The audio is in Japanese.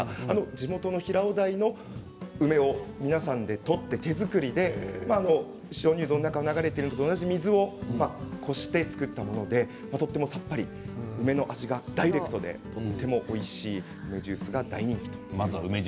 地元の平尾台の梅を皆さんで取って鍾乳洞の中に流れている水をこうして作ったもので他でもさっぱり梅の味がダイレクトでとてもおいしい梅ジュースが大人気。